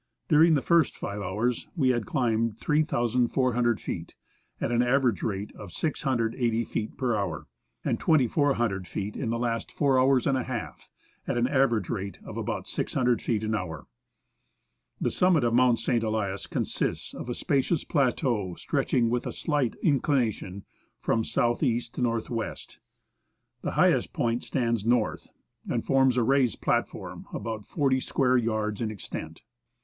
During the first five hours we had climbed 3,400 feet, at an average rate of 680 feet per hour ; and 2,400 feet in the last four hours and a half, at an average rate of about 600 feet an hour. The summit of Mount St. Elias consists of a spacious plateau stretching, with a slight inclination, from south east to north west. The highest point stands north, and forms a raised platform about 40 square yards in extent.